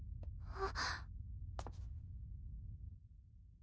あっ！